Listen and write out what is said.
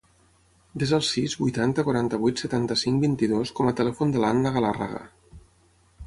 Desa el sis, vuitanta, quaranta-vuit, setanta-cinc, vint-i-dos com a telèfon de l'Anna Galarraga.